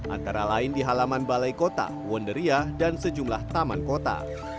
antara lain di halaman balai kota wonderia dan sejumlah taman kota